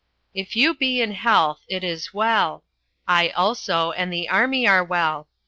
If you be in health, it is well. I also and the army are well.